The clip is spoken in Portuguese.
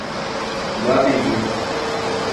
Guabiju